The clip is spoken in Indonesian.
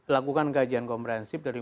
lakukan kajian komprehensif dari